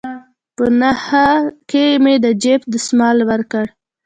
په نخښه كښې مې د جيب دسمال وركړ.